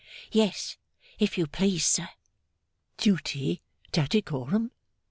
'Yes, if you please, sir.' 'Duty, Tattycoram.